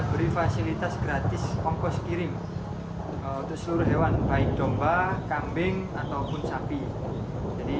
beri fasilitas gratis ongkos kirim untuk seluruh hewan baik domba kambing ataupun sapi jadi